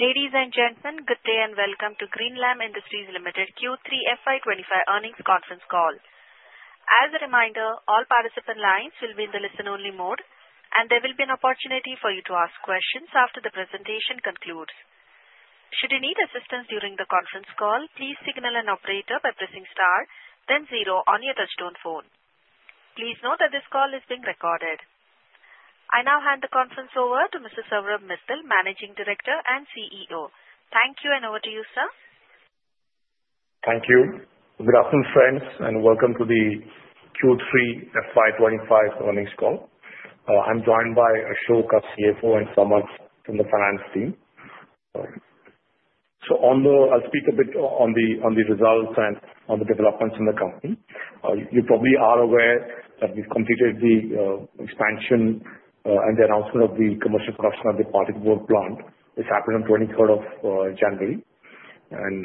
Ladies and gentlemen, good day and welcome to Greenlam Industries Limited Q3 FY25 earnings conference call. As a reminder, all participant lines will be in the listen-only mode, and there will be an opportunity for you to ask questions after the presentation concludes. Should you need assistance during the conference call, please signal an operator by pressing star, then zero on your touch-tone phone. Please note that this call is being recorded. I now hand the conference over to Mr. Saurabh Mittal, Managing Director and CEO. Thank you, and over to you, sir. Thank you. Good afternoon, friends, and welcome to the Q3 FY25 earnings call. I'm joined by Ashok, CFO, and Samarth from the finance team. So I'll speak a bit on the results and on the developments in the company. You probably are aware that we've completed the expansion and the announcement of the commercial production of the particle board plant. This happened on 20th of January. And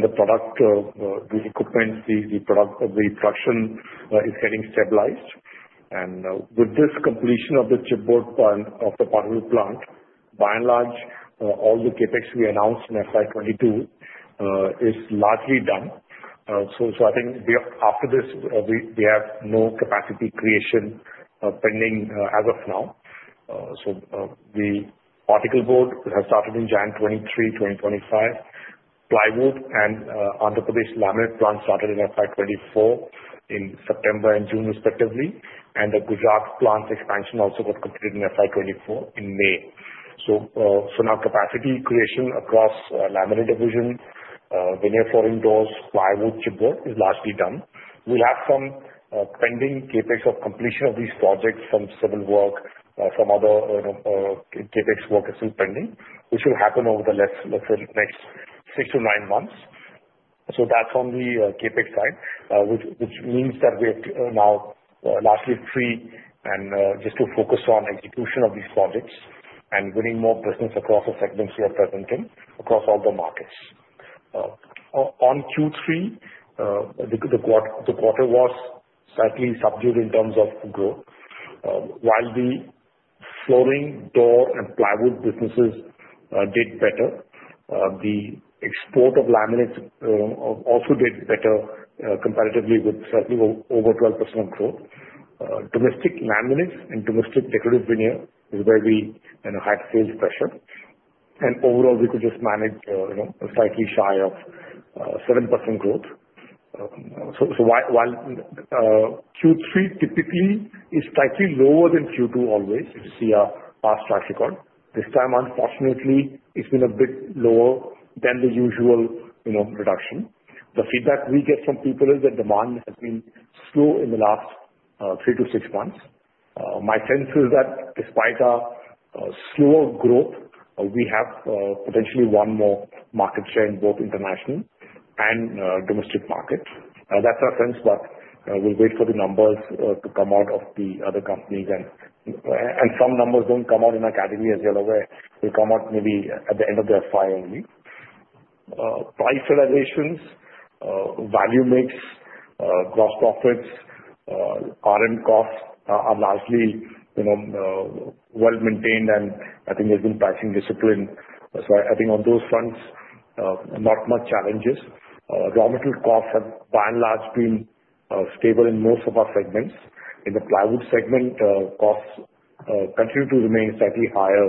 the product, the equipment, the production is getting stabilized. And with this completion of the chipboard part of the particle board plant, by and large, all the CapEx we announced in FY22 is largely done. So I think after this, we have no capacity creation pending as of now. So the particle board has started in January 23, 2025. Plywood and Andhra Pradesh laminate plant started in FY24 in September and June, respectively. The Gujarat plant expansion also got completed in FY24 in May. Now capacity creation across laminate division, veneer flooring doors, plywood, chipboard is largely done. We have some pending CapEx of completion of these projects from civil work, from other CapEx work is still pending, which will happen over the next six to nine months. That's on the CapEx side, which means that we have now largely free. Just to focus on execution of these projects and winning more business across the segments we are presenting across all the markets. On Q3, the quarter was slightly subdued in terms of growth. While the flooring, door, and plywood businesses did better, the export of laminates also did better comparatively with slightly over 12% growth. Domestic laminates and domestic decorative veneer is where we had sales pressure. Overall, we could just manage a slightly shy of 7% growth. While Q3 typically is slightly lower than Q2 always, if you see our past track record, this time, unfortunately, it's been a bit lower than the usual reduction. The feedback we get from people is that demand has been slow in the last three to six months. My sense is that despite a slower growth, we have potentially one more market share, both international and domestic market. That's our sense, but we'll wait for the numbers to come out of the other companies. Some numbers don't come out in our category as usual, where they come out maybe at the end of the FY only. Price realizations, value mix, gross profits, RM costs are largely well maintained, and I think there's been pricing discipline. I think on those fronts, not much challenges. Raw material costs have by and large been stable in most of our segments. In the plywood segment, costs continue to remain slightly higher,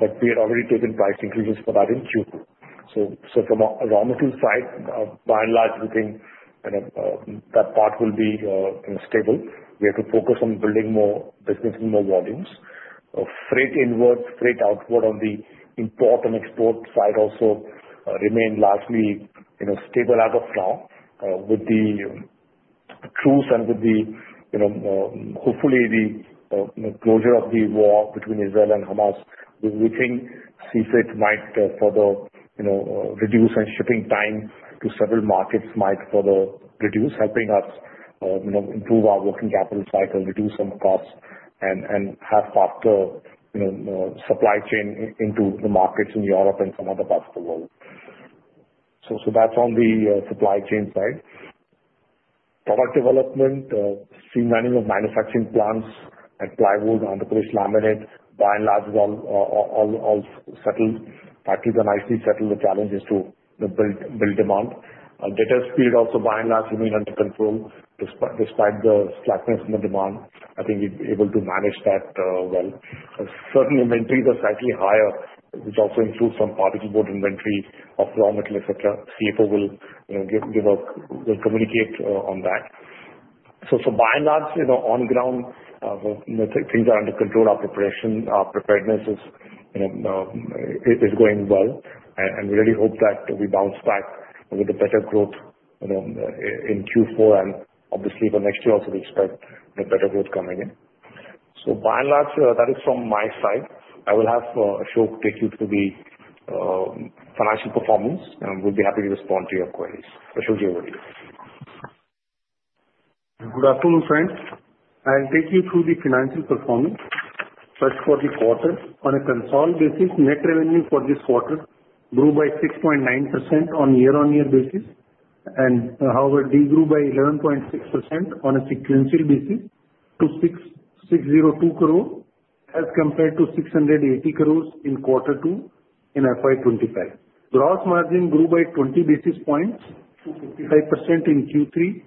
but we had already taken price increases for that in Q2. So from a raw material side, by and large, we think that part will be stable. We have to focus on building more business and more volumes. Freight inwards, freight outward on the import and export side also remain largely stable as of now. With the truce and with the, hopefully, the closure of the war between Israel and Hamas, we think freight might further reduce, shipping time to several markets might further reduce, helping us improve our working capital cycle, reduce some costs, and have faster supply chain into the markets in Europe and some other parts of the world. So that's on the supply chain side. Product development, streamlining of manufacturing plants and plywood, Andhra Pradesh laminate, by and large, all settled. Factories are nicely settled. The challenge is to build demand. CapEx spend also, by and large, remained under control. Despite the sluggishness in the demand, I think we've been able to manage that well. Certain inventories are slightly higher, which also includes some particle board inventory of raw material, etc. CFO will communicate on that. So by and large, on the ground, things are under control. Our preparedness is going well, and we really hope that we bounce back with a better growth in Q4. And obviously, for next year, also we expect better growth coming in. So by and large, that is from my side. I will have Ashok take you through the financial performance, and we'll be happy to respond to your queries. Ashok, you're ready. Good afternoon, friends. I'll take you through the financial performance. First, for the quarter, on a consolidated basis, net revenue for this quarter grew by 6.9% on year-on-year basis. And however, they grew by 11.6% on a sequential basis to 602 crore as compared to 680 crores in Q2 in FY25. Gross margin grew by 20 basis points to 55% in Q3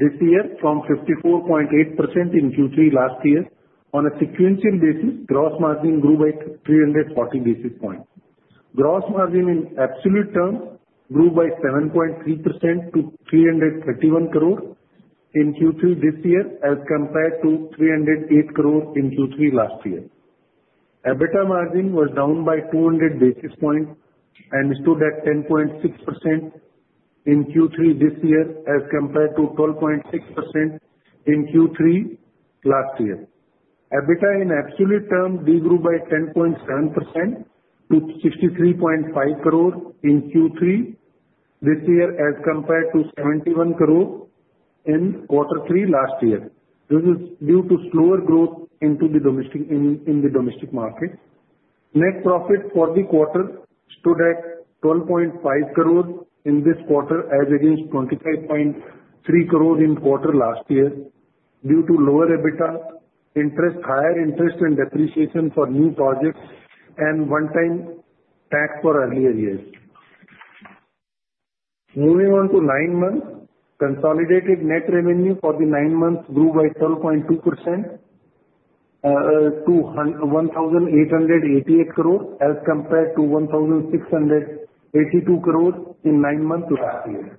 this year from 54.8% in Q3 last year. On a sequential basis, gross margin grew by 340 basis points. Gross margin in absolute terms grew by 7.3% to 331 crore in Q3 this year as compared to 308 crore in Q3 last year. EBITDA margin was down by 200 basis points and stood at 10.6% in Q3 this year as compared to 12.6% in Q3 last year. EBITDA in absolute terms degrew by 10.7% to 63.5 crore in Q3 this year as compared to 71 crore in quarter three last year. This is due to slower growth in the domestic market. Net profit for the quarter stood at 12.5 crore in this quarter as against 25.3 crore in quarter last year due to lower EBITDA, higher interest and depreciation for new projects, and one-time tax for earlier years. Moving on to nine months, consolidated net revenue for the nine months grew by 12.2% to 1,888 crore as compared to 1,682 crore in nine months last year.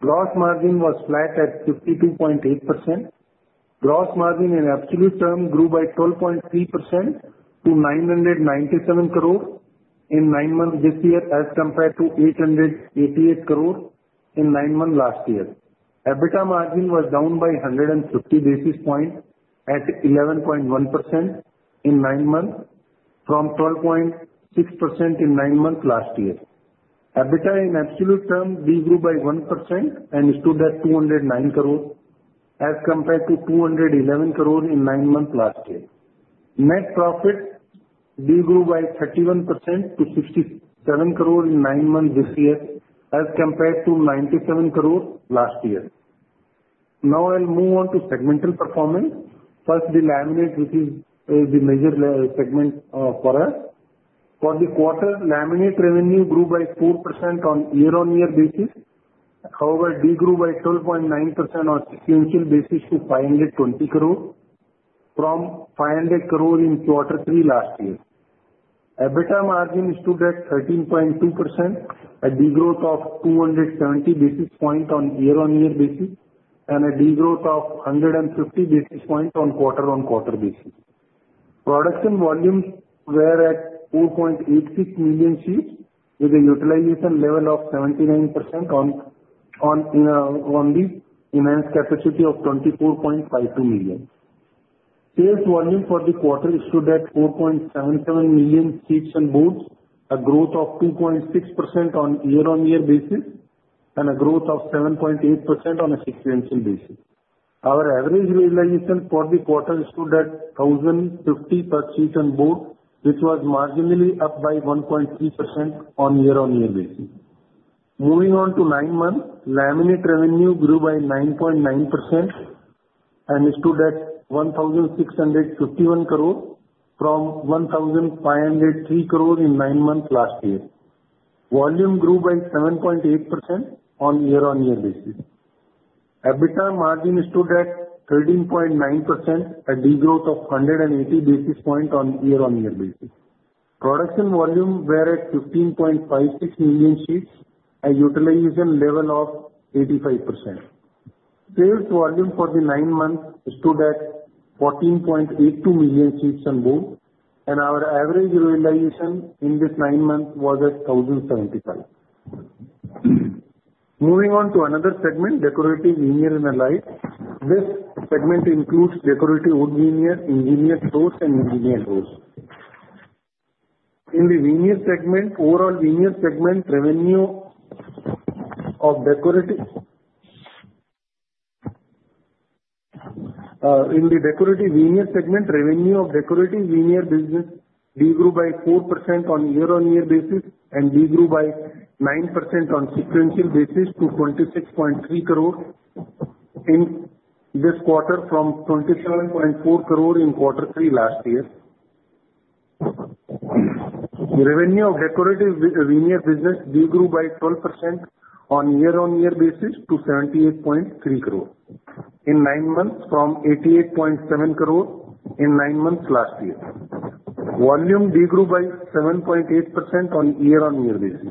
Gross margin was flat at 52.8%. Gross margin in absolute terms grew by 12.3% to 997 crore in nine months this year as compared to 888 crore in nine months last year. EBITDA margin was down by 150 basis points at 11.1% in nine months from 12.6% in nine months last year. EBITDA in absolute terms degrew by 1% and stood at 209 crore as compared to 211 crore in nine months last year. Net profit degrew by 31% to 67 crore in nine months this year as compared to 97 crore last year. Now I'll move on to segmental performance. First, the laminate, which is the major segment for us. For the quarter, laminate revenue grew by 4% on year-on-year basis. However, degrew by 12.9% on a sequential basis to 520 crore from 500 crore in quarter three last year. EBITDA margin stood at 13.2%, a degrowth of 270 basis points on year-on-year basis, and a degrowth of 150 basis points on quarter-on-quarter basis. Production volumes were at 4.86 million sheets with a utilization level of 79% on the enhanced capacity of 24.52 million. Sales volume for the quarter stood at 4.77 million sheets and boards, a growth of 2.6% on year-on-year basis, and a growth of 7.8% on a sequential basis. Our average realization for the quarter stood at 1,050 per sheet and board, which was marginally up by 1.3% on year-on-year basis. Moving on to nine months, laminate revenue grew by 9.9% and stood at 1,651 crore from 1,503 crore in nine months last year. Volume grew by 7.8% on year-on-year basis. EBITDA margin stood at 13.9%, a degrowth of 180 basis points on year-on-year basis. Production volume were at 15.56 million sheets, a utilization level of 85%. Sales volume for the nine months stood at 14.82 million sheets and boards, and our average realization in this nine months was at 1,075. Moving on to another segment, decorative veneer and allied. This segment includes decorative wood veneer, engineered flooring, and engineered doors. In the veneer segment, overall, in the decorative veneer segment, revenue of the decorative veneer business degrew by 4% on year-on-year basis and degrew by 9% on sequential basis to INR 26.3 crore in this quarter from 27.4 crore in Q3 last year. Revenue of decorative veneer business degrew by 12% on year-on-year basis to 78.3 crore in nine months from 88.7 crore in nine months last year. Volume degrew by 7.8% on year-on-year basis.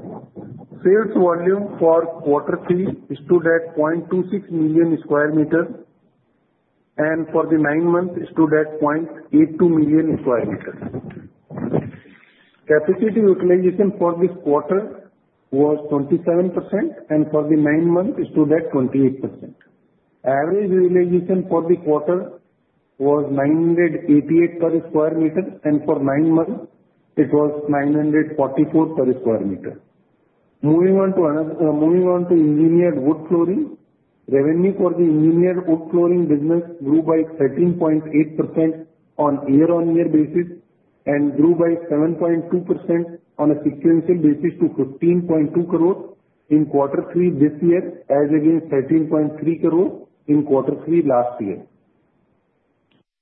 Sales volume for stood at 0.26 million square meters, and for the nine months stood at 0.82 million square meters. Capacity utilization for this quarter was 27%, and for the nine months stood at 28%. Average realization for the quarter was 988 per sq m, and for nine months, it was 944 per sq m. Moving on to engineered wood flooring, revenue for the engineered wood flooring business grew by 13.8% on year-on-year basis and grew by 7.2% on a sequential basis to 15.2 crore in Q3 this year as against 13.3 crore in Q3 last year.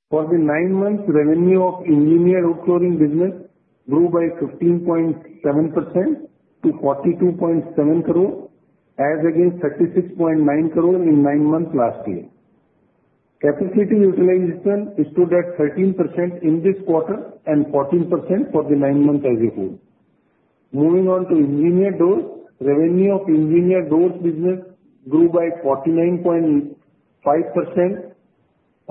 For the nine months, revenue of engineered wood flooring business grew by 15.7% to 42.7 crore as against 36.9 crore in nine months last year. Capacity utilization stood at 13% in this quarter and 14% for the nine months as before. Moving on to engineered doors, revenue of engineered doors business grew by 49.5%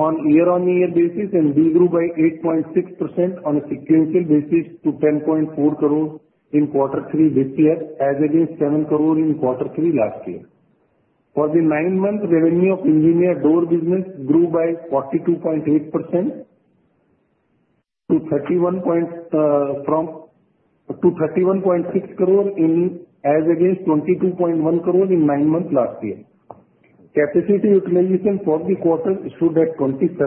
on year-on-year basis and degrew by 8.6% on a sequential basis to 10.4 crore in Q3 this year as against 7 crore in quarter three last year. For the nine months, revenue of engineered door business grew by 42.8% to 31.6 crore as against 22.1 crore in nine months last year. Capacity utilization for the quarter stood at 27%,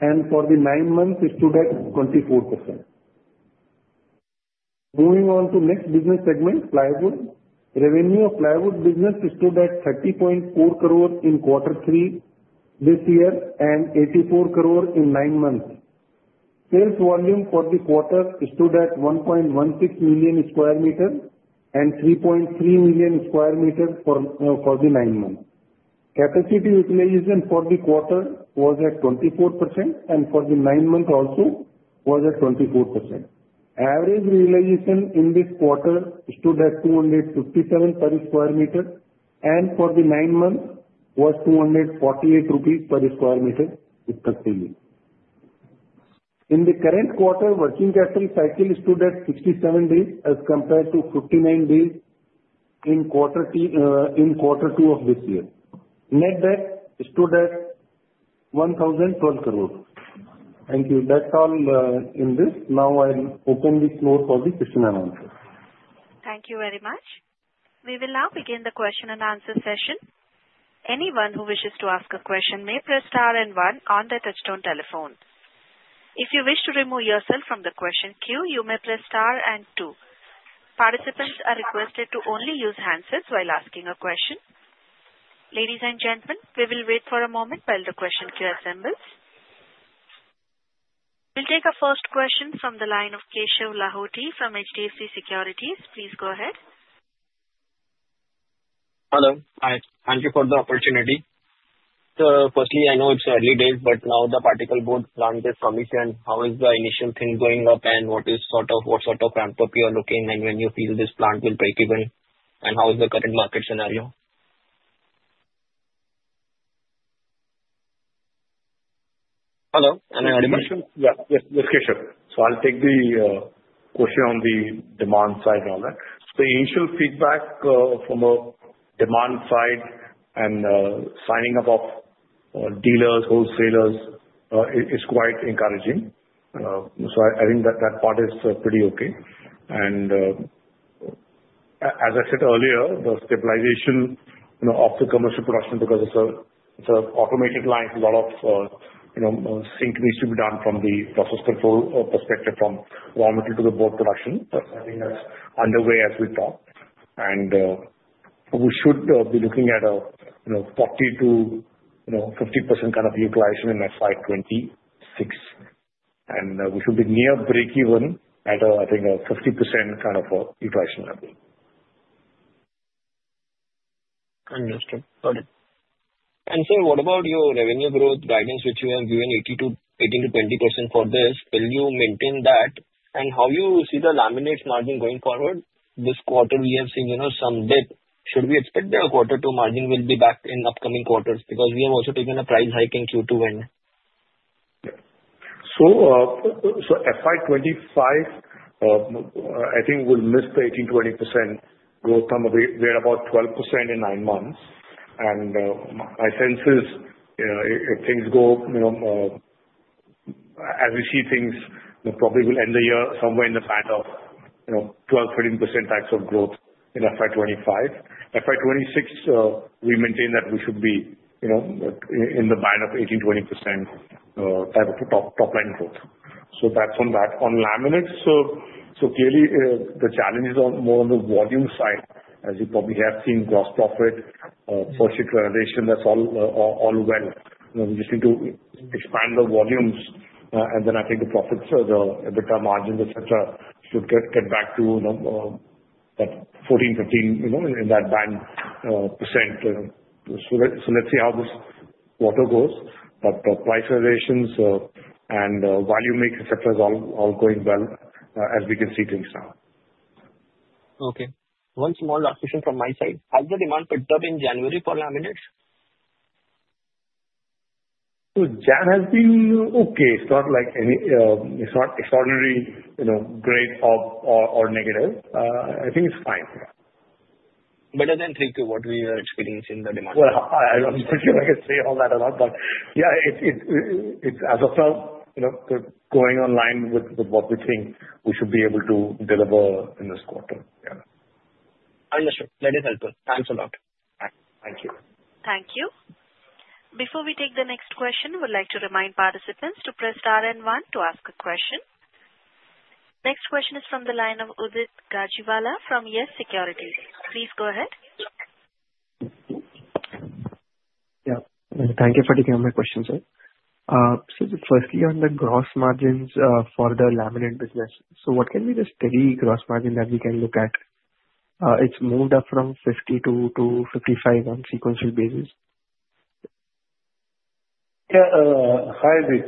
and for the nine months stood at 24%. Moving on to next business segment, plywood. Revenue of plywood business stood at 30.4 crore in Q3 this year and 84 crore in nine months. Sales volume for the quarter stood at 1.16 million square meters and 3.3 million square meters for the nine months. Capacity utilization for the quarter was at 24%, and for the nine months also was at 24%. Average realization in this quarter stood at 257 per square meter, and for the nine months was 248 rupees per square meter expected. In the current quarter, working capital cycle stood at 67 days as compared to 59 days in Q2 of this year. Net debt stood at 1,012 crore. Thank you. That's all in this. Now I'll open the floor for the question and answer. Thank you very much. We will now begin the question and answer session. Anyone who wishes to ask a question may press star and one on the touch-tone telephone. If you wish to remove yourself from the question queue, you may press star and two. Participants are requested to only use handsets while asking a question. Ladies and gentlemen, we will wait for a moment while the question queue assembles. We'll take a first question from the line of Keshav Lahoti from HDFC Securities. Please go ahead. Hello. Hi. Thank you for the opportunity. So firstly, I know it's early days, but now the particle board plant is commissioned. How is the initial thing going up, and what sort of ramp-up you are looking when you feel this plant will break even? And how is the current market scenario? Hello. Am I audible? Yes. Yes. Yes, Keshav. So I'll take the question on the demand side and all that. The initial feedback from a demand side and signing up of dealers, wholesalers is quite encouraging. So I think that that part is pretty okay. And as I said earlier, the stabilization of the commercial production because it's an automated line, a lot of sync needs to be done from the process control perspective from raw material to the board production. So I think that's underway as we talk. And we should be looking at a 40%-50% kind of utilization in FY26. And we should be near break even at, I think, a 50% kind of utilization level. Understood. Got it. And sir, what about your revenue growth guidance, which you have given 18%-20% for this? Will you maintain that? And how do you see the laminate margin going forward? This quarter, we have seen some dip. Should we expect the Q2 margin will be back in upcoming quarters? Because we have also taken a price hike in Q2 in. FY25, I think we'll miss the 18%-20% growth. We're about 12% in nine months. My sense is if things go as we see things, probably we'll end the year somewhere in the band of 12-13% type of growth in FY25. FY26, we maintain that we should be in the band of 18-20% type of top-line growth. That's on that. On laminates, clearly, the challenge is more on the volume side, as you probably have seen. Gross margin, price realization, that's all well. We just need to expand the volumes, and then I think the profits, the EBITDA margins, etc., should get back to that 14-15% in that band. Let's see how this quarter goes, but the price realizations and volume mix, etc., is all going well as we can see things now. Okay. One small last question from my side. Has the demand picked up in January for laminates? That has been okay. It's not extraordinarily great or negative. I think it's fine. Better than Q3 to what we are experiencing the demand. I'm not sure I can say all that about that, but yeah, as of now, going online with what we think we should be able to deliver in this quarter. Yeah. Understood. That is helpful. Thanks a lot. Thank you. Thank you. Before we take the next question, we'd like to remind participants to press star and one to ask a question. Next question is from the line of Udit Gajiwala from Yes Securities. Please go ahead. Yeah. Thank you for taking all my questions, sir. So firstly, on the Gross Margin for the laminate business, so what can be the steady Gross Margin that we can look at? It's moved up from 52% -55% on sequential basis. Yeah. Hi, Udit.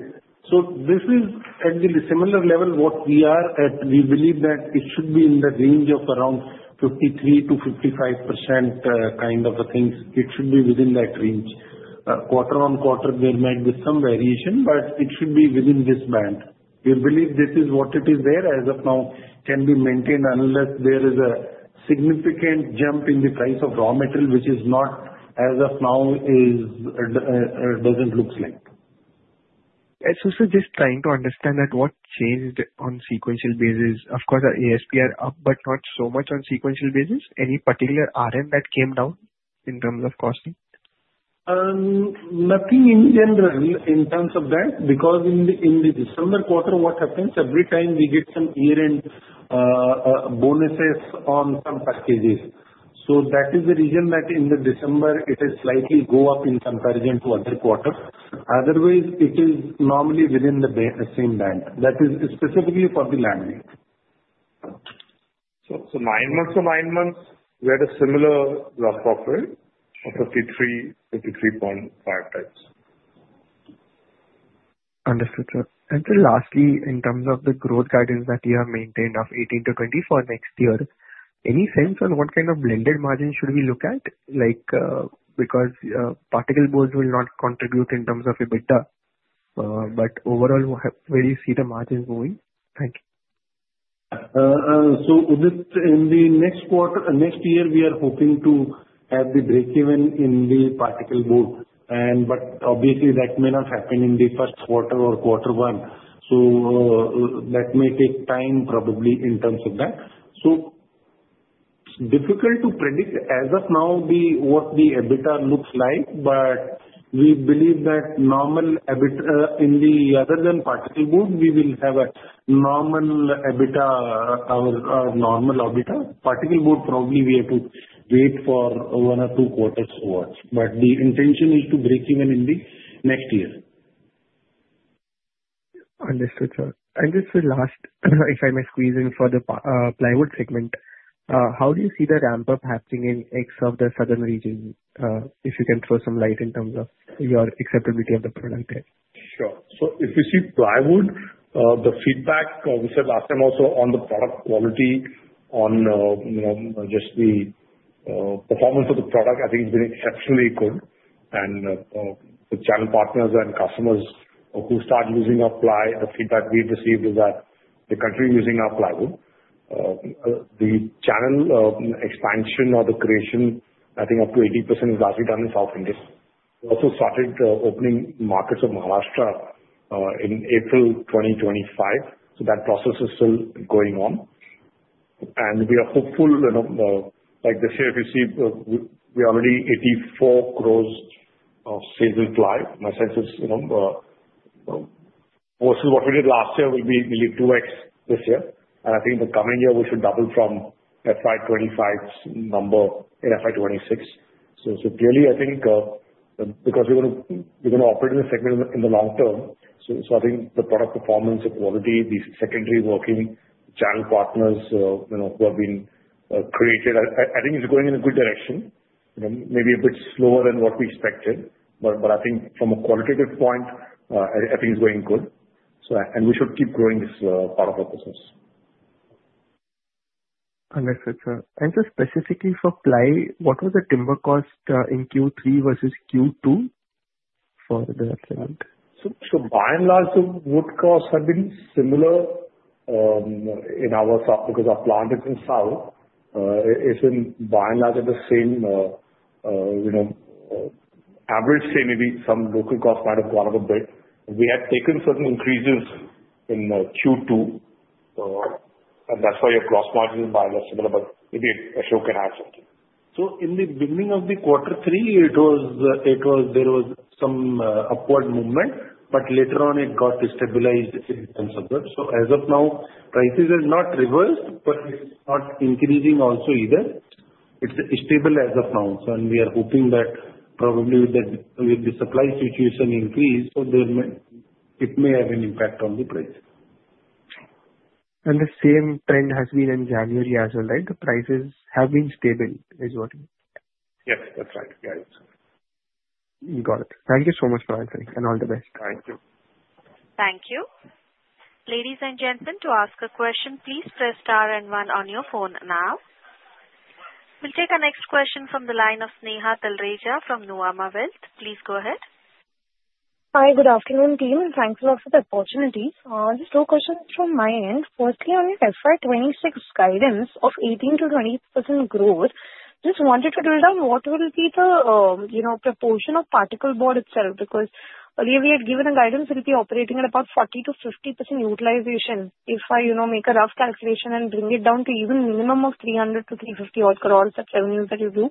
So this is at the similar level what we are at. We believe that it should be in the range of around 53%-55% kind of things. It should be within that range. Quarter-on-quarter, they're met with some variation, but it should be within this band. We believe this is what it is there as of now. It can be maintained unless there is a significant jump in the price of raw material, which is not as of now doesn't look like. I was just trying to understand that what changed on sequential basis. Of course, ASP are up, but not so much on sequential basis. Any particular RM that came down in terms of costing? Nothing in general in terms of that, because in the December quarter, what happens every time we get some year-end bonuses on some packages, so that is the reason that in the December, it has slightly gone up in comparison to other quarters. Otherwise, it is normally within the same band. That is specifically for the laminate. So, nine months to nine months, we had a similar gross profit of 53.5%. Understood, sir. And then lastly, in terms of the growth guidance that you have maintained of 18%-20% for next year, any sense on what kind of blended margin should we look at? Because particle boards will not contribute in terms of EBITDA. But overall, where do you see the margins moving? Thank you. So in the next quarter, next year, we are hoping to have the break even in the particle board. But obviously, that may not happen in the first quarter or Q1. So that may take time probably in terms of that. So difficult to predict as of now what the EBITDA looks like, but we believe that normal EBITDA in the other than particle board, we will have a normal EBITDA or normal EBITDA. Particle board, probably we have to wait for one or two quarters to watch. But the intention is to break even in the next year. Understood, sir. And just for last, if I may squeeze in for the plywood segment, how do you see the ramp-up happening in context of the southern region if you can throw some light in terms of your acceptability of the product there? Sure, so if we see plywood, the feedback we said last time also on the product quality, on just the performance of the product, I think it's been exceptionally good, and the channel partners and customers who start using our ply, the feedback we've received is that they continue using our plywood. The channel expansion or the creation, I think up to 80% is largely done in South India. We also started opening markets of Maharashtra in April 2025, so that process is still going on, and we are hopeful. Like this year, if you see, we already 84 crores of sales in ply. My sense is versus what we did last year, we'll be nearly 2x this year, and I think the coming year, we should double from FY25's number in FY26. So clearly, I think because we're going to operate in the segment in the long term, so I think the product performance, the quality, the secondary working, channel partners who have been created, I think it's going in a good direction. Maybe a bit slower than what we expected. But I think from a qualitative point, I think it's going good. And we should keep growing this part of our business. Understood, sir. And just specifically for ply, what was the timber cost in Q3 versus Q2 for the segment? So by and large, the wood costs have been similar in our stock because our plant is in South. It's been by and large at the same average. Maybe some local cost might have gone up a bit. We had taken certain increases in Q2, and that's why your gross margin is by and large similar. But maybe Ashok can add something. So in the beginning of the quarter three, there was some upward movement, but later on, it got stabilized in terms of growth. So as of now, prices have not reversed, but it's not increasing also either. It's stable as of now. And we are hoping that probably with the supply situation increase, it may have an impact on the price. The same trend has been in January as well, right? The prices have been stable, is what you? Yes, that's right. Yeah, it's fine. Got it. Thank you so much for answering, and all the best. Thank you. Thank you. Ladies and gentlemen, to ask a question, please press star and one on your phone now. We'll take our next question from the line of Sneha Talreja from Nuvama Wealth. Please go ahead. Hi, good afternoon, team. And thanks a lot for the opportunity. Just two questions from my end. Firstly, on your FY26 guidance of 18%-20% growth, just wanted to drill down what will be the proportion of particle board itself? Because earlier, we had given a guidance that we'll be operating at about 40%-50% utilization. If I make a rough calculation and bring it down to even minimum of 300-350 odd crores of revenues that you do,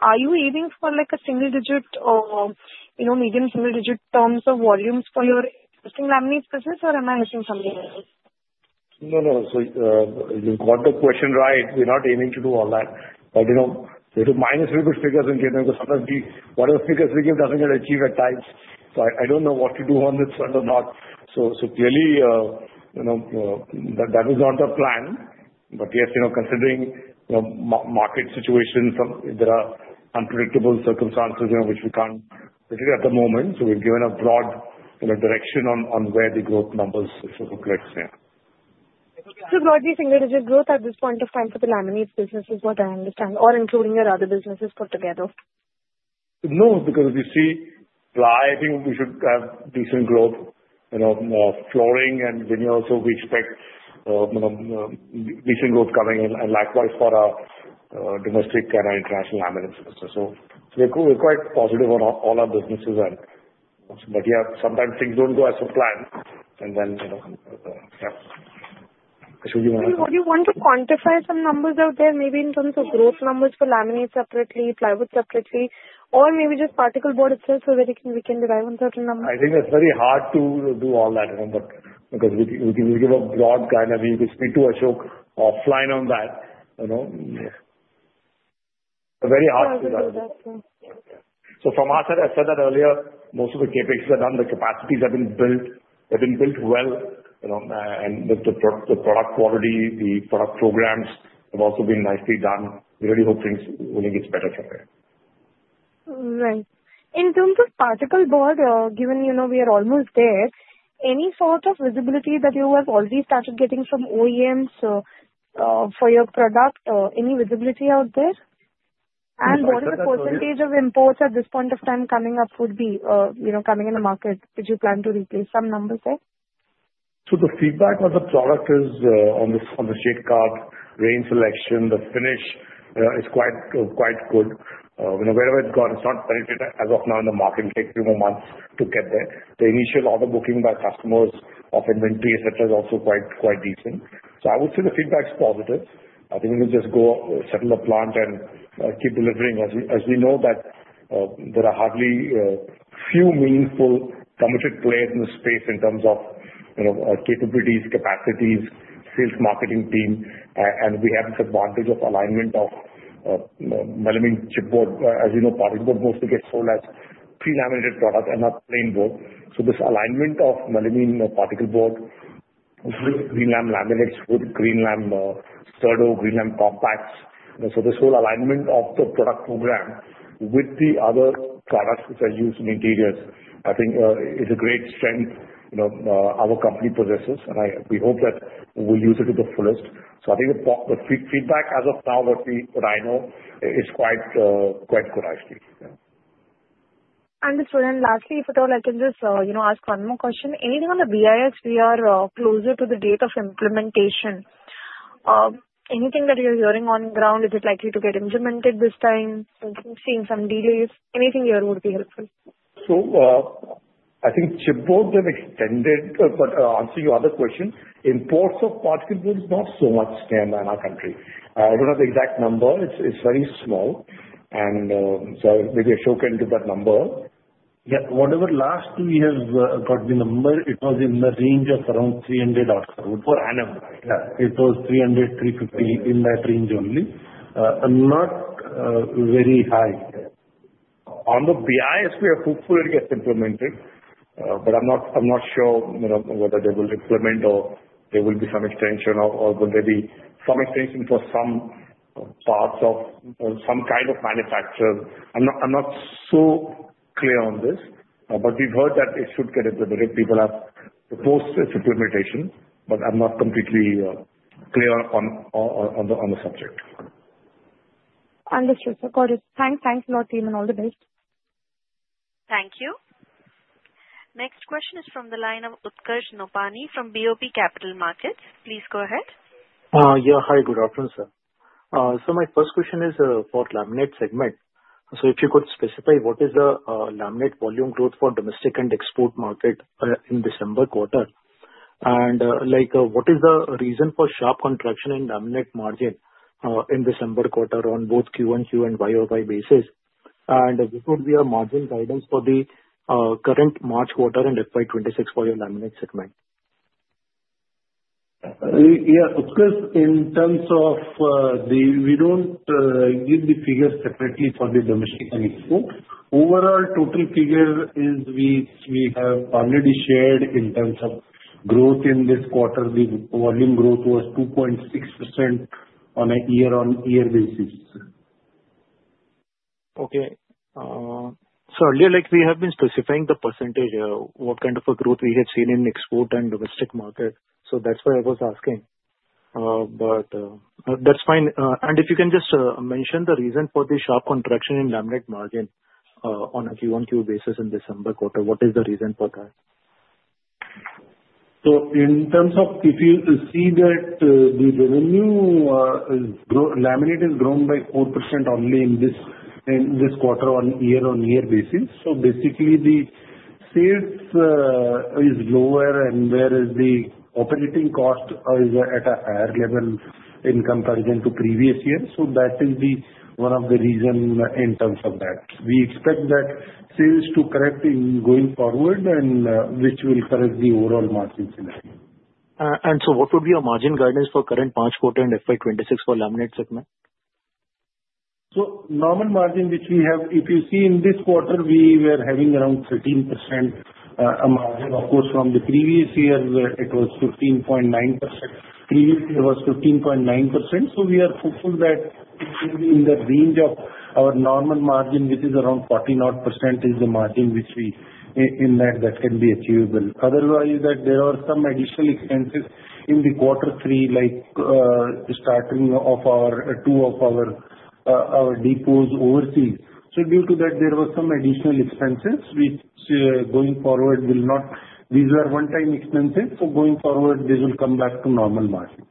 are you aiming for a single-digit or medium single-digit terms of volumes for your existing laminates business, or am I missing something else? No, no. So you got the question right. We're not aiming to do all that. But we'll do minus a little bit figures in general because sometimes whatever figures we give doesn't get achieved at times. So I don't know what to do on this front or not. So clearly, that is not our plan. But yes, considering market situation, there are unpredictable circumstances which we can't predict at the moment. So we've given a broad direction on where the growth numbers look like. Yeah. Broadly thinking that is your growth at this point of time for the laminates business is what I understand, or including your other businesses put together? No, because you see, ply, I think we should have decent growth. Flooring and veneer, so we expect decent growth coming in, and likewise for our domestic and our international laminates. So we're quite positive on all our businesses. But yeah, sometimes things don't go as planned, and then yeah. I should give an answer. Would you want to quantify some numbers out there, maybe in terms of growth numbers for laminates separately, plywood separately, or maybe just particle board itself so that we can derive on certain numbers? I think that's very hard to do all that. Because we give a broad guidance. We speak to Ashok offline on that. Very hard to do that. So from our side, I said that earlier, most of the KPIs are done. The capacities have been built. They've been built well, and the product quality, the product programs have also been nicely done. We really hope things will get better from there. Right. In terms of particle board, given we are almost there, any sort of visibility that you have already started getting from OEMs for your product? Any visibility out there? And what is the percentage of imports at this point of time coming up would be coming in the market? Did you plan to replace some numbers there? So the feedback on the product is on the chipboard range selection, the finish is quite good. Wherever it's gone, it's not penetrated as of now in the market. It takes a few more months to get there. The initial order booking by customers of inventory, etc., is also quite decent. So I would say the feedback is positive. I think we'll just go settle the plant and keep delivering. As we know that there are hardly a few meaningful committed players in the space in terms of capabilities, capacities, sales marketing team. And we have this advantage of alignment of melamine chipboard. As you know, particle board mostly gets sold as pre-laminated product and not plain board. So this alignment of melamine particle board with Greenlam laminates, with Greenlam Sturdo, Greenlam Compacts. So this whole alignment of the product program with the other products which are used in interiors, I think is a great strength our company possesses. And we hope that we'll use it to the fullest. So I think the feedback as of now, what I know, is quite good, actually. Understood. Lastly, if at all, I can just ask one more question. Anything on the BIS? We are closer to the date of implementation. Anything that you're hearing on ground? Is it likely to get implemented this time? Seeing some delays. Anything here would be helpful. I think chipboard got extended. Answering your other question, imports of particle board is not so much scale in our country. I don't have the exact number. It's very small. So maybe Ashok can give that number. Yeah. Whatever last year's got the number, it was in the range of around 300-odd crore for annual. It was 300-350 in that range only. Not very high. On the BIS, we are hopeful it gets implemented. But I'm not sure whether they will implement or there will be some extension or will there be some extension for some parts of some kind of manufacturer. I'm not so clear on this. But we've heard that it should get implemented. People have proposed its implementation. But I'm not completely clear on the subject. Understood. So got it. Thanks. Thanks a lot, team, and all the best. Thank you. Next question is from the line of Utkarsh Nopany from BOB Capital Markets. Please go ahead. Yeah. Hi. Good afternoon, sir. So my first question is for laminate segment. So if you could specify what is the laminate volume growth for domestic and export market in December quarter? And what is the reason for sharp contraction in laminate margin in December quarter on both Q1, Q2, and YOY basis? And what would be your margin guidance for the current March quarter and FY26 for your laminate segment? Yeah. Of course, in terms of we don't give the figures separately for the domestic and export. Overall total figure is we have already shared in terms of growth in this quarter. The volume growth was 2.6% on a year-on-year basis. Okay. So earlier, we have been specifying the percentage, what kind of a growth we had seen in export and domestic market. So that's why I was asking. But that's fine. And if you can just mention the reason for the sharp contraction in laminate margin on a Q1, Q2 basis in December quarter, what is the reason for that? So, in terms of if you see that the revenue in laminates has grown by 4% only in this quarter on year-on-year basis. So basically, the sales is lower, and whereas the operating cost is at a higher level in comparison to previous years. So that is one of the reasons in terms of that. We expect that sales to correct going forward, which will correct the overall margin scenario. What would be your margin guidance for current March quarter and FY26 for laminates segment? The normal margin which we have, if you see in this quarter, we were having around 13% margin. Of course, from the previous year, it was 15.9%. Previous year was 15.9%. So we are hopeful that in the range of our normal margin, which is around 40-odd%, is the margin which we in that can be achievable. Otherwise, there are some additional expenses in Q3, like starting of our two depots overseas. So due to that, there were some additional expenses which going forward will not. These were one-time expenses. So going forward, this will come back to normal margin.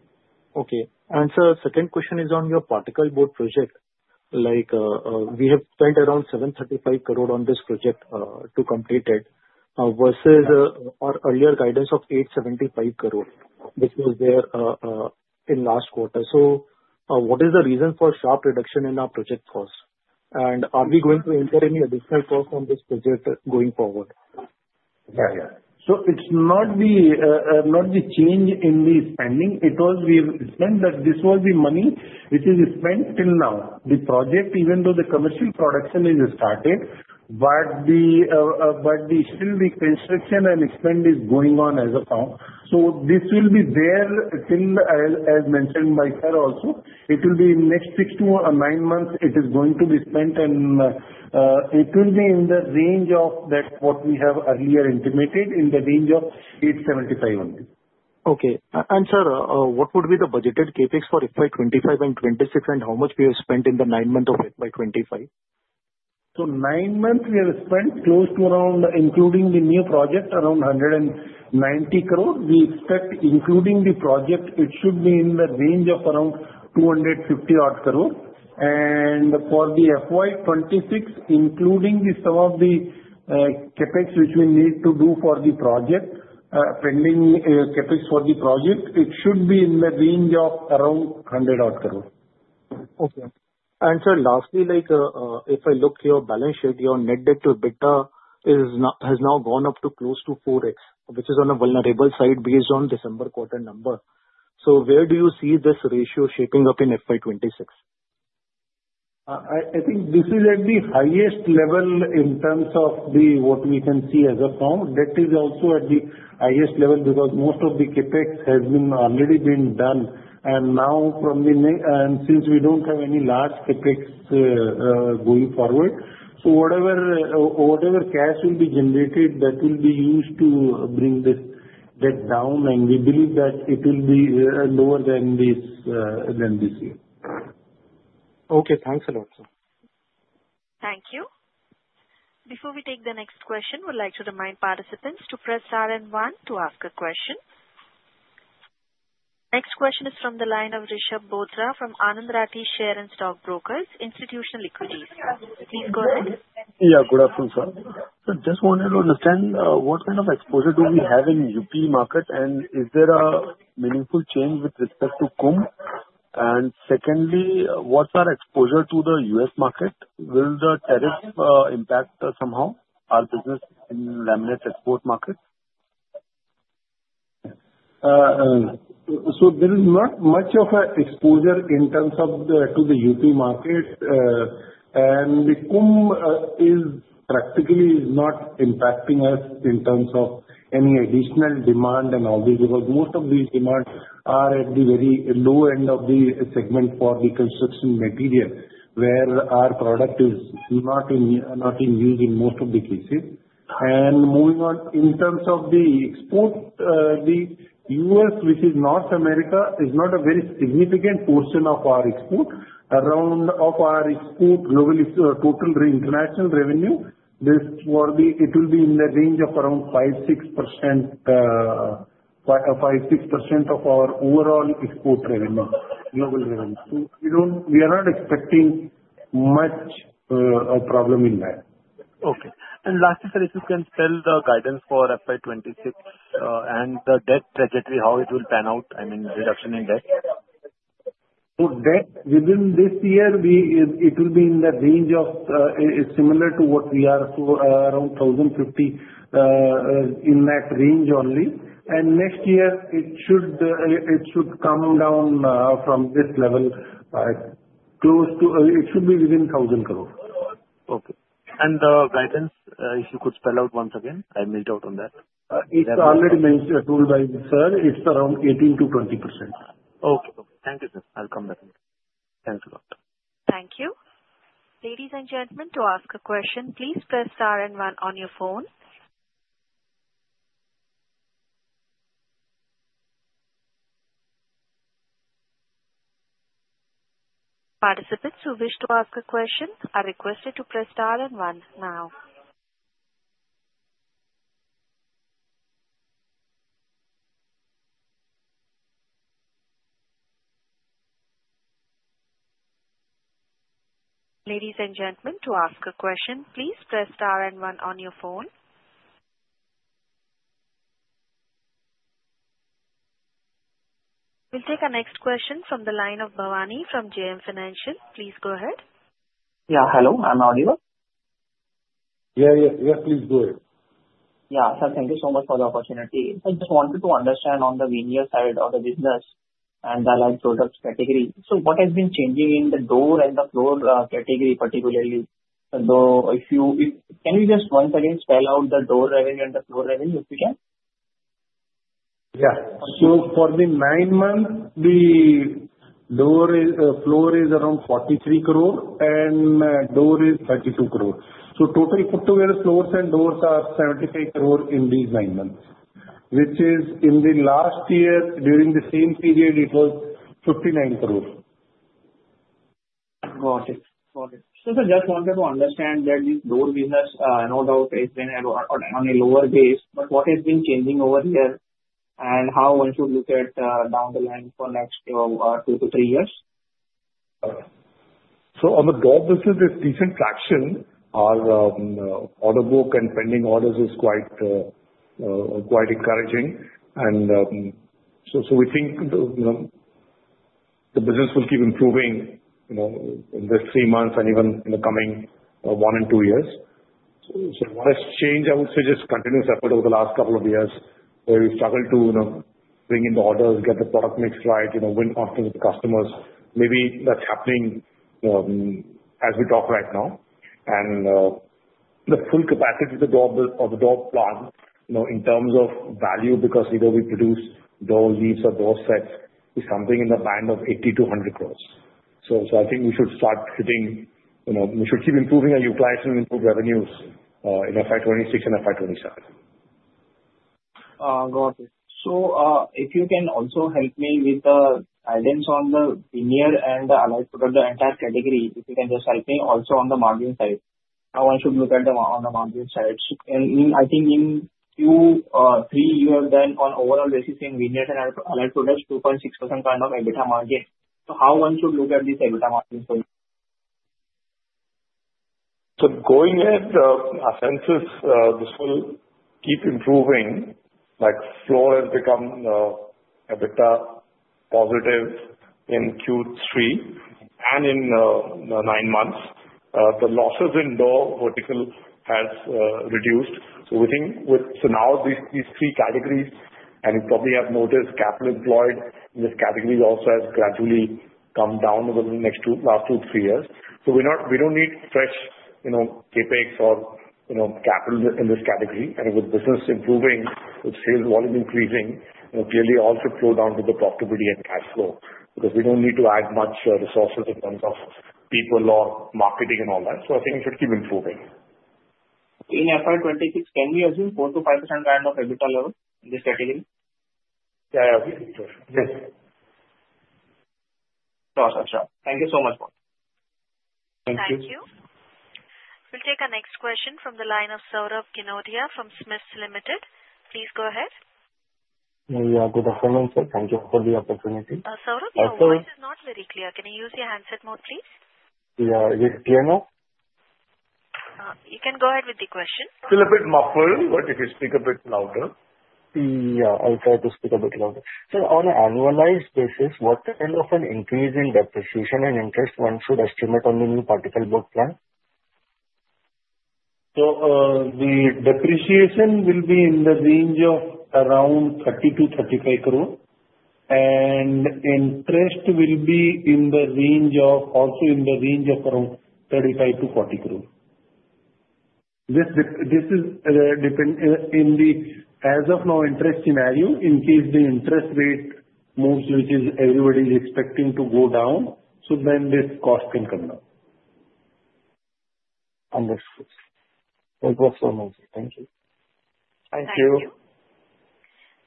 Okay. And so second question is on your particle board project. We have spent around 735 crore on this project to complete it versus our earlier guidance of 875 crore, which was there in last quarter. So what is the reason for sharp reduction in our project cost? And are we going to incur any additional cost on this project going forward? Yeah, yeah. So it's not the change in the spending. It was the expense that this was the money which is spent till now. The project, even though the commercial production is started, but still the construction and expenditure is going on as of now. So this will be there till, as mentioned by sir also, it will be next six to nine months. It is going to be spent, and it will be in the range of that what we have earlier estimated in the range of 875 only. Okay. And, sir, what would be the budgeted KPIs for FY25 and FY26, and how much we have spent in the nine months of FY25? So, nine months, we have spent close to around, including the new project, around 190 crore. We expect, including the project, it should be in the range of around 250 odd crore. And for the FY26, including some of the KPIs which we need to do for the project, pending KPIs for the project, it should be in the range of around 100 odd crore. Okay. And sir, lastly, if I look at your balance sheet, your net debt to EBITDA has now gone up to close to 4x, which is on a vulnerable side based on December quarter number. So where do you see this ratio shaping up in FY26? I think this is at the highest level in terms of what we can see as of now. That is also at the highest level because most of the KPIs has already been done. And now, since we don't have any large KPIs going forward, so whatever cash will be generated, that will be used to bring this debt down. And we believe that it will be lower than this year. Okay. Thanks a lot, sir. Thank you. Before we take the next question, we'd like to remind participants to press star and one to ask a question. Next question is from the line of Rishabh Bothra from Anand Rathi Share and Stock Brokers, Institutional Equities. Please go ahead. Yeah. Good afternoon, sir. So just wanted to understand what kind of exposure do we have in UP market, and is there a meaningful change with respect to KUM? And secondly, what's our exposure to the U.S. market? Will the tariff impact somehow our business in laminates export market? There is not much of an exposure in terms of to the UP market. The KUM is practically not impacting us in terms of any additional demand and all these because most of these demands are at the very low end of the segment for the construction material, where our product is not in use in most of the cases. Moving on, in terms of the export, the U.S., which is North America, is not a very significant portion of our export. Around of our export, global total international revenue, it will be in the range of around 5-6% of our overall export revenue, global revenue. We are not expecting much problem in that. Okay. And lastly, sir, if you can tell the guidance for FY26 and the debt trajectory, how it will pan out, I mean, reduction in debt? So, debt within this year, it will be in the range of similar to what we are, so around 1,050 in that range only. And next year, it should come down from this level, close to it. It should be within 1,000 crore. Okay. The guidance, if you could spell out once again? I missed out on that. It's already mentioned by Sir. It's around 18%-20%. Okay. Thank you, sir. I'll come back. Thanks a lot. Thank you. Ladies and gentlemen, to ask a question, please press star and one on your phone. Participants who wish to ask a question are requested to press star and one now. Ladies and gentlemen, to ask a question, please press star and one on your phone. We'll take the next question from the line of Bhavani from JM Financial. Please go ahead. Yeah. Hello. I'm audio. Yeah, yeah. Yeah. Please go ahead. Yeah. Sir, thank you so much for the opportunity. I just wanted to understand on the veneer side of the business and the light products category. So what has been changing in the door and the floor category particularly? So if you can just once again spell out the door revenue and the floor revenue if you can? Yeah. So, for the nine months, the floor is around 43 crore and door is 32 crore. So, total put together, floors and doors are 75 crore in these nine months, which, in the last year during the same period, it was 59 crore. Got it. Got it. So, sir, just wanted to understand that this door business, no doubt, has been on a lower base. But what has been changing over here and how one should look at down the line for next two to three years? On the door business, it's a decent traction. Our order book and pending orders is quite encouraging. We think the business will keep improving in this three months and even in the coming one and two years. What has changed, I would say, just continuous effort over the last couple of years where we've struggled to bring in the orders, get the product mix right, win confidence of customers. Maybe that's happening as we talk right now. The full capacity of the door plant in terms of value because we produce door leaves or door sets is something in the band of 80-100 crores. I think we should start hitting. We should keep improving our utilization and improve revenues in FY26 and FY27. Got it. So if you can also help me with the guidance on the veneer and the allied product, the entire category, if you can just help me also on the margin side, how one should look at them on the margin side. And I think in Q3, you have done on overall basis in veneers and allied products, 2.6% kind of EBITDA margin. So how one should look at this EBITDA margin for you? So going ahead, I think this will keep improving. Floor has become EBITDA positive in Q3 and in the nine months. The losses in door vertical has reduced. So I think with now these three categories, and you probably have noticed capital employed in this category also has gradually come down over the last two, three years. So we don't need fresh KPIs or capital in this category. And with business improving, with sales volume increasing, clearly also flow down to the profitability and cash flow because we don't need to add much resources in terms of people or marketing and all that. So I think it should keep improving. In FY26, can we assume 4%-5% kind of EBITDA level in this category? Yeah, yeah. Yes. Got it, sir. Thank you so much. Thank you. Thank you. We'll take a next question from the line of Saurabh Ginodia from SMIFS Limited. Please go ahead. Yeah. Good afternoon, sir. Thank you for the opportunity. Saurabh, your voice is not very clear. Can you use your handset mode, please? Yeah. Is it clear now? You can go ahead with the question. Still a bit muffled, but if you speak a bit louder. Yeah. I'll try to speak a bit louder. So on an annualized basis, what kind of an increase in depreciation and interest one should estimate on the new particle board plant? So the depreciation will be in the range of around 30-35 crore. And interest will be in the range of also in the range of around 35-40 crore. This is in the as of now interest scenario, in case the interest rate moves, which is everybody is expecting to go down, so then this cost can come down. Understood. That works for me. Thank you. Thank you.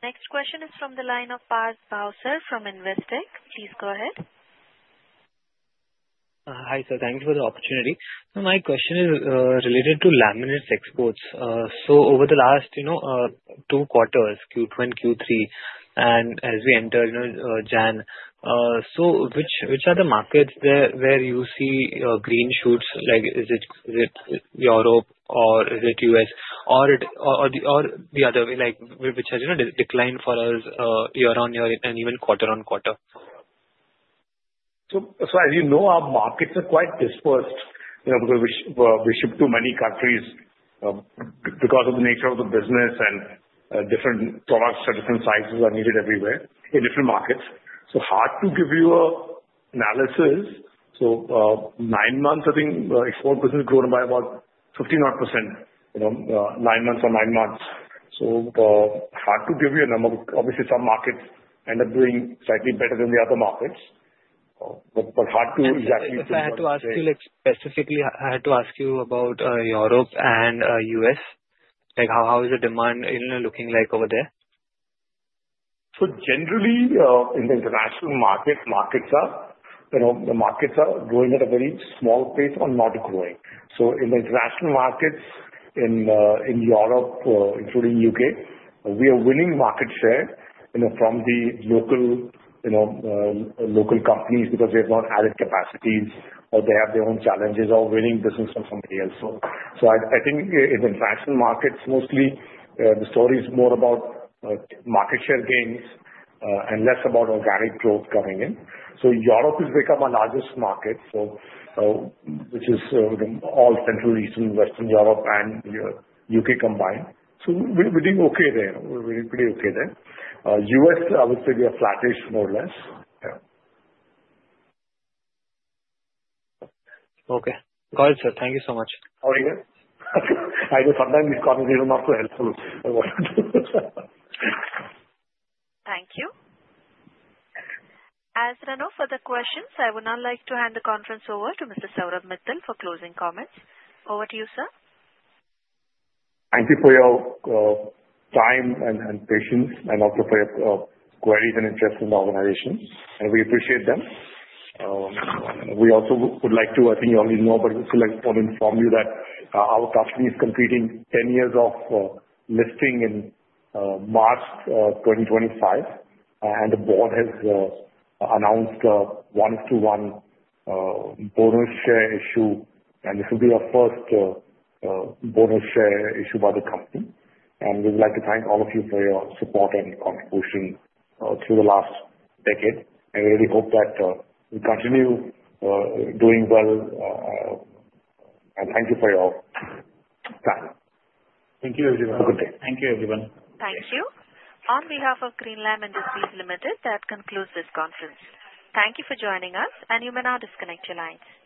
Next question is from the line of Parth Bhavsar from Investec. Please go ahead. Hi, sir. Thank you for the opportunity. So my question is related to laminates exports. So over the last two quarters, Q2 and Q3, and as we enter January, so which are the markets where you see green shoots? Is it Europe or is it U.S. or the other way, which has declined for us year-on-year and even quarter-on-quarter? So, as you know, our markets are quite dispersed because we ship to many countries because of the nature of the business and different products at different sizes are needed everywhere in different markets. So hard to give you an analysis. So nine months, I think export business has grown by about 15odd% nine months. So hard to give you a number. Obviously, some markets end up doing slightly better than the other markets. But hard to exactly. So I had to ask you specifically, I had to ask you about Europe and U.S. How is the demand looking like over there? So generally, in the international markets, the markets are growing at a very small pace or not growing. So in the international markets in Europe, including the U.K., we are winning market share from the local companies because they've got added capacities or they have their own challenges or winning business from somebody else. So I think in the international markets, mostly the story is more about market share gains and less about organic growth coming in. So Europe has become our largest market, which is all Central, Eastern, Western Europe, and U.K. combined. So we're doing okay there. We're doing pretty okay there. U.S., I would say we are flattish more or less. Yeah. Okay. Got it, sir. Thank you so much. How are you? I know sometimes these comments are not so helpful. Thank you. As a wrap-up for the questions, I would now like to hand the conference over to Mr. Saurabh Mittal for closing comments. Over to you, sir. Thank you for your time and patience and also for your queries and interest in the organization, and we appreciate them. We also would like to, I think you already know, but we would like to inform you that our company is completing 10 years of listing in March 2025, and the board has announced a one-to-one bonus share issue, and this will be our first bonus share issue by the company, and we would like to thank all of you for your support and contribution through the last decade, and we really hope that we continue doing well, and thank you for your time. Thank you, everyone. Have a good day. Thank you, everyone. Thank you. On behalf of Greenlam Industries Limited, that concludes this conference. Thank you for joining us, and you may now disconnect your lines.